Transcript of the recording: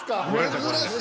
珍しい。